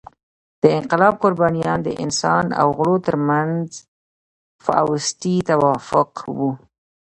د انقلاب قربانیان د انسان او غلو تر منځ فاوستي توافق وو.